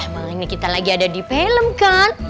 iya malah ini kita lagi ada di film kan